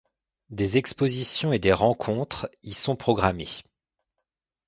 Des expositions et des rencontres y sont programmées.